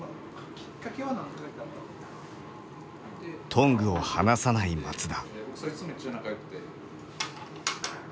トングを離さない松田。